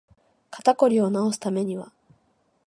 肩こりを治すためには